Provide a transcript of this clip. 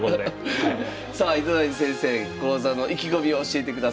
さあ糸谷先生講座の意気込みを教えてください。